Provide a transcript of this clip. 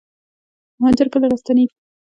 مهاجر کله راستنیږي؟